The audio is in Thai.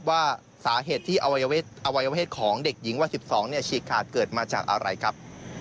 ว่าสาเหตุที่อวัยวเพศของเด็กหญิงวัย๑๒ฉีกขาดเกิดมาจากอะไรครับ